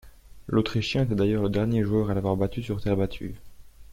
L'Autrichien était d'ailleurs le dernier joueur à l'avoir battu sur terre battue.